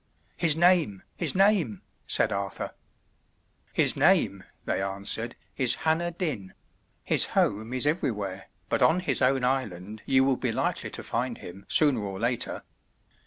"His name! his name!" said Arthur. "His name," they answered, "is Hanner Dyn; his home is everywhere, but on his own island you will be likely to find him sooner or later.